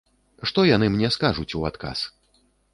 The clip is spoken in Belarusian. Што яны мне скажуць у адказ?